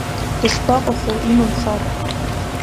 Дышԥаҟаху, имам хар.